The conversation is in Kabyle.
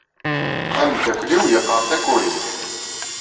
Ameddakel-inu yeqqar takurit.